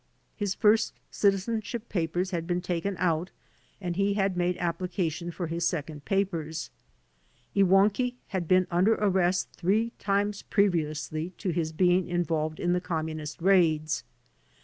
His first citizenship papers had been taken out and he had made application for his second papers. Iwankiw had been under arrest three times previously to his being involved in the Communist raids.